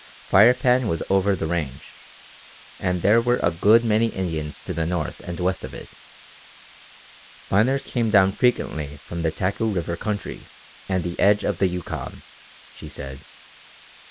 The Firepan was over the range, and there were a good many Indians to the north and west of it. Miners came down frequently from the Taku River country and the edge of the Yukon, she said.